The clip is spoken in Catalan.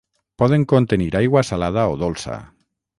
Poden contenir aigua salada o dolça.